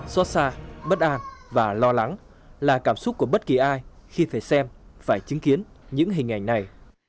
xót xa bất an và lo lắng là cảm xúc của bất kỳ ai khi phải xem phải chứng kiến những hình ảnh này